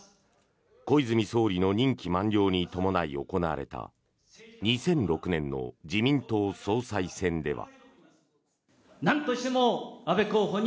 小泉総理の任期満了に伴い行われた２００６年の自民党総裁選では。